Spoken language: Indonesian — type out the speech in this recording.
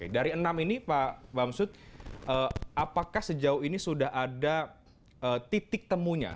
dari enam ini pak bamsud apakah sejauh ini sudah ada titik temunya